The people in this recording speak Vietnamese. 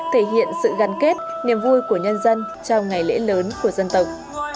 thể hiện sự gắn kết niềm vui của nhân dân trong ngày lễ lớn của dân tộc